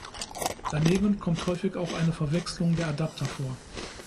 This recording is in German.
Daneben kommt häufig auch eine Verwechslung der Adapter vor.